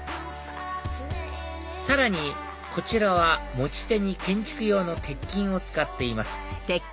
さらにこちらは持ち手に建築用の鉄筋を使っています